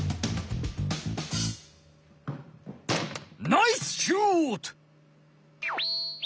ナイスシュート！